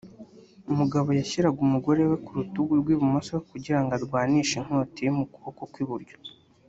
umugabo yashyiraga umugore we ku rutugu rw’ibumoso kugira ngo arwanishe inkota iri mu kaboko k’iburyo